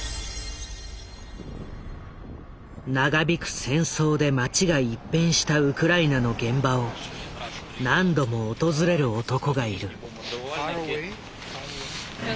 長引く戦争で街が一変したウクライナの現場を何度も訪れる男がいる。